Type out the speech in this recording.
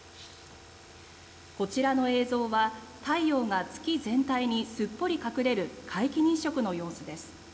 こちらの映像は太陽が月全体にすっぽり隠れる「皆既日食」の様子です。